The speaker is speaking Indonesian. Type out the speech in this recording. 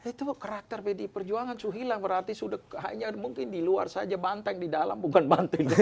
itu karakter pdi perjuangan suhila berarti sudah hanya mungkin di luar saja banteng di dalam bukan banteng